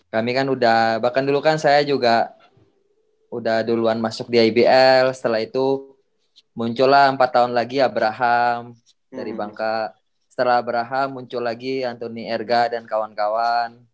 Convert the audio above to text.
kami kan udah bahkan dulu kan saya juga udah duluan masuk di ibl setelah itu muncullah empat tahun lagi abraham dari bangka setelah abraham muncul lagi anthony erga dan kawan kawan